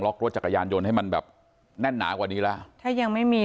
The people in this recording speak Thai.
รถจักรยานยนต์ให้มันแบบแน่นหนากว่านี้แล้วถ้ายังไม่มี